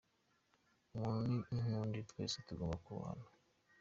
Umuntu ni nk’undi twese tugomba kubahana.